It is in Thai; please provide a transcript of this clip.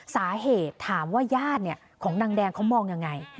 สาเหตุถามว่าญาติของนางแดงเขามองยังไง